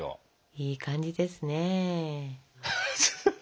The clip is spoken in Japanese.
いい感じですね。